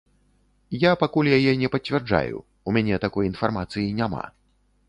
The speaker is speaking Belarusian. Я пакуль яе не пацвярджаю, у мяне такой інфармацыі няма.